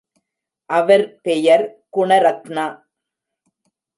அவர் பெயர் குணரத்னா.